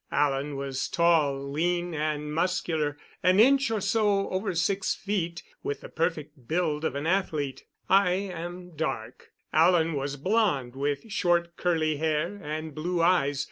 Alan was tall, lean and muscular an inch or so over six feet with the perfect build of an athlete. I am dark; Alan was blond, with short, curly hair, and blue eyes.